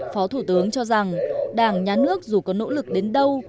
phó thủ tướng cho rằng đảng nhà nước dù có nỗ lực đến đâu